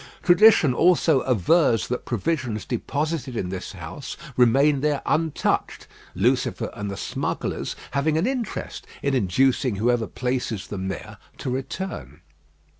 Tradition also avers that provisions deposited in this house remain there untouched, Lucifer and the smugglers having an interest in inducing whoever places them there to return.